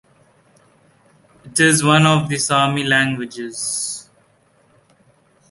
It is one of the Sarmi languages.